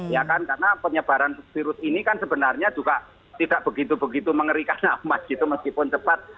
ya kan karena penyebaran virus ini kan sebenarnya juga tidak begitu begitu mengerikan amat gitu meskipun cepat